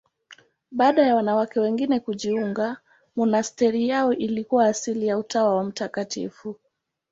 Baada ya wanawake wengine kujiunga, monasteri yao ikawa asili ya Utawa wa Mt.